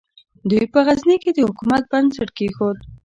دوی په غزني کې د حکومت بنسټ کېښود.